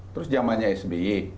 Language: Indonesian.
terus zamannya sby